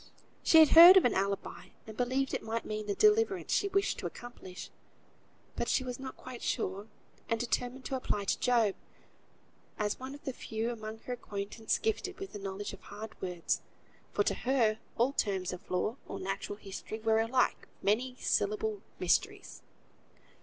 She had heard of an alibi, and believed it might mean the deliverance she wished to accomplish; but she was not quite sure, and determined to apply to Job, as one of the few among her acquaintance gifted with the knowledge of hard words, for to her, all terms of law, or natural history, were alike many syllabled mysteries.